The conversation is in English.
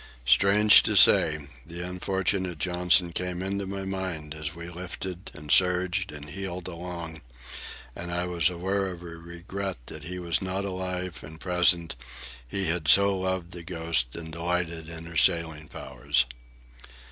Strange to say, the unfortunate Johnson came into my mind as we lifted and surged and heeled along, and I was aware of a regret that he was not alive and present; he had so loved the Ghost and delighted in her sailing powers.